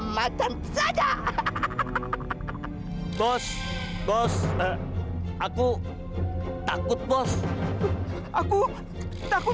malam taing gua lho